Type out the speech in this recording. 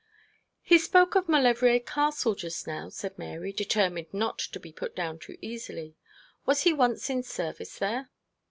'He spoke of Maulevrier Castle just now,' said Mary, determined not to be put down too easily. 'Was he once in service there?'